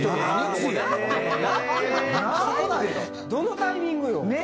どのタイミングよ。